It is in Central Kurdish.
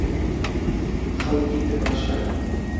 خەڵکی کرماشانی؟